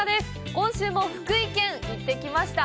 今週も福井県行ってきました。